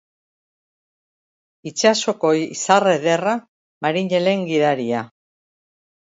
Itsasoko izar ederra, marinelen gidaria.